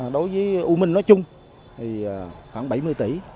đối với u minh nói chung thì khoảng bảy mươi tỷ